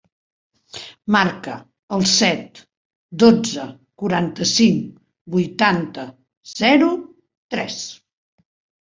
Marca el set, dotze, quaranta-cinc, vuitanta, zero, tres.